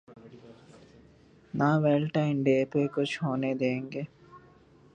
نہ valentine day پہ کچھ ہونے دیں گے۔